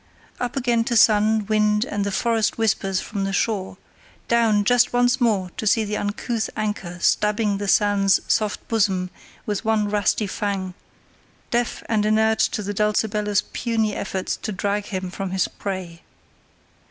Up again to sun, wind, and the forest whispers from the shore; down just once more to see the uncouth anchor stabbing the sand's soft bosom with one rusty fang, deaf and inert to the Dulcibella's puny efforts to drag him from his prey.